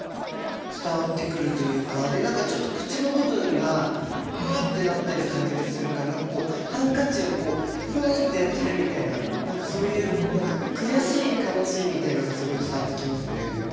で何かちょっと口の部分がうってなってる感じがするからハンカチをふんってやってるみたいなそういう悔しい悲しいみたいなのがすごい伝わってきますね。